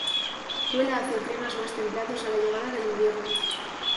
Vuela hacia climas más templados a la llegada del invierno.